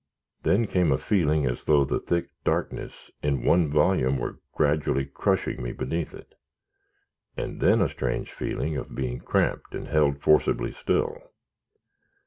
Then came a feeling as though the thick darkness in one volume were gradually crushing me beneath it, and then a strange feeling of being cramped and held forcibly still.